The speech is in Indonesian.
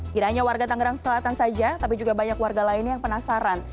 tidak hanya warga tangerang selatan saja tapi juga banyak warga lainnya yang penasaran